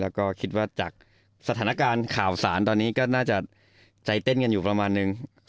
แล้วก็คิดว่าจากสถานการณ์ข่าวสารตอนนี้ก็น่าจะใจเต้นกันอยู่ประมาณนึง